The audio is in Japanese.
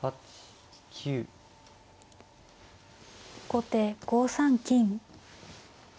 後手５三金。